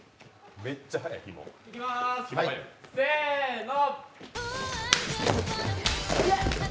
せーの。